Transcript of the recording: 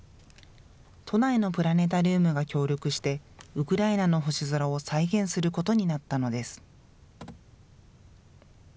都内のプラネタリウムが協力してウクライナの星空を再現することになったのです。